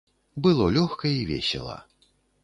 Было лёгка і весела.